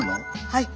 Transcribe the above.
はい。